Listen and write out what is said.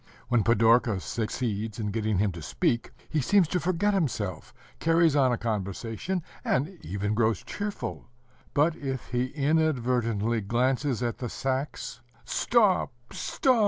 When Pidorka succeeds in getting him to speak, he seems to forget himself, carries on a conversation, and even grows cheerful; but if he inadvertently glances at the sacks, "Stop, stop!